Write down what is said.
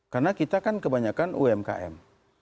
karena kita kan kebanyakan umkm